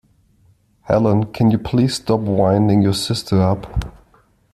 Helen, can you please stop winding your sister up?